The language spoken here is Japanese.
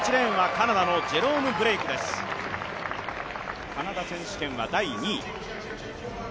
カナダ選手権は第２位。